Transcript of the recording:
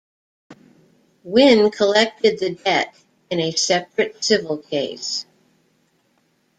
Wynn collected the debt in a separate civil case.